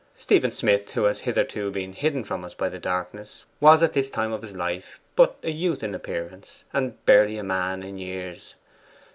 Stephen Smith, who has hitherto been hidden from us by the darkness, was at this time of his life but a youth in appearance, and barely a man in years.